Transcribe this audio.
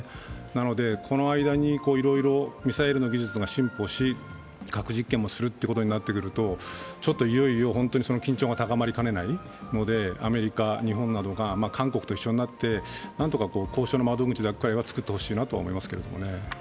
なので、この間に、ミサイルの技術が進歩し、核実験もするということになってくると、いよいよ緊張が高まりかねないのでアメリカ、日本などが韓国と一緒になってなんとか交渉の窓口はつくってほしいなと思いますけどね。